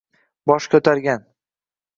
Bosh ko’targan